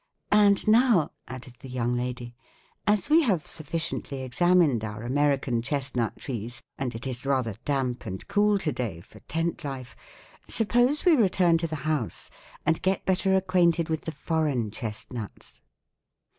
And now," added the young lady, "as we have sufficiently examined our American chestnut trees and it is rather damp and cool to day for tent life, suppose we return to the house and get better acquainted with the foreign chestnuts?"